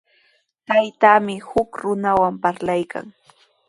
Taytaami huk runawan parlaykan.